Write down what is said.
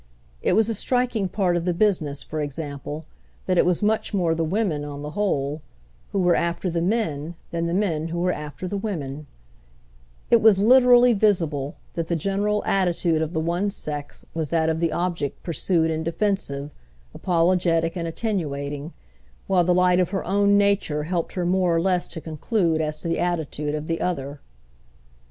It was a striking part of the business, for example, that it was much more the women, on the whole, who were after the men than the men who were after the women: it was literally visible that the general attitude of the one sex was that of the object pursued and defensive, apologetic and attenuating, while the light of her own nature helped her more or less to conclude as to the attitude of the other.